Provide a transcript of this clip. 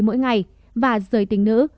mỗi ngày và giới tính nữ